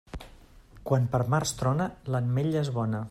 Quan per març trona, l'ametlla és bona.